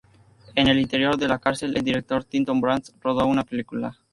En el interior de la cárcel, el director Tinto Brass rodó una película.